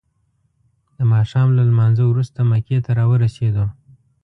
د ماښام له لمانځه وروسته مکې ته راورسیدو.